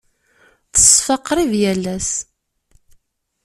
Teṣfa qrib yal ass.